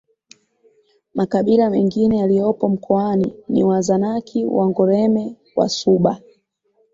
Makabila mengine yaliyopo mkoani ni Wazanaki Wangoreme Wasuba